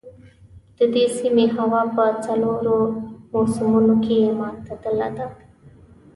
د دې سیمې هوا په څلورو موسمونو کې معتدله ده.